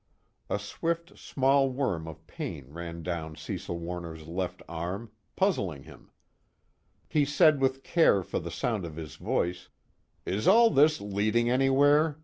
A swift small worm of pain ran down Cecil Warner's left arm, puzzling him. He said with care for the sound of his voice: "Is all this leading anywhere?